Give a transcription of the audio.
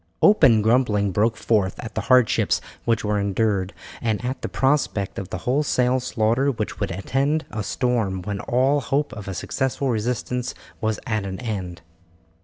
Open grumbling broke forth at the hardships which were endured, and at the prospect of the wholesale slaughter which would attend a storm when all hope of a successful resistance was at an end.